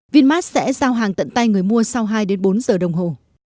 vinmart sẽ giao hàng tận tay người mua sau hai đến bốn giờ đồng hồ